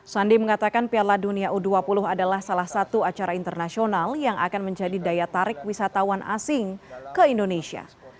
sandi mengatakan piala dunia u dua puluh adalah salah satu acara internasional yang akan menjadi daya tarik wisatawan asing ke indonesia